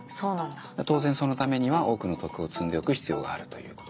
当然そのためには多くの徳を積んでおく必要があるという。